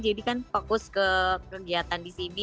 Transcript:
jadi kan fokus ke kegiatan di sini